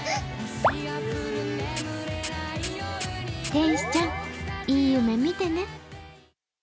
天使ちゃん、いい夢見てね。